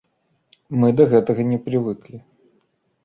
Мы да гэтага не прывыклі.